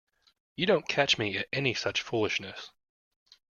You don't catch me at any such foolishness.